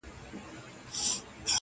پاچا پورته په کړکۍ په ژړا سو؛